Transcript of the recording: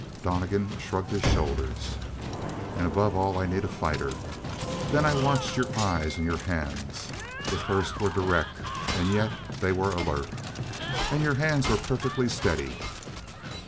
Donnegan shrugged his shoulders. "And above all, I need a fighter. Then I watched your eyes and your hands. The first were direct and yet they were alert. And your hands were perfectly steady."